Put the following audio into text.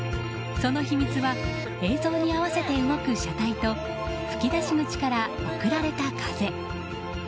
その秘密は映像に合わせて動く車体と吹き出し口から送られた風。